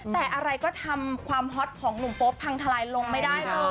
แต่อะไรก็ทำความฮอตของหนุ่มโป๊ปพังทลายลงไม่ได้เลย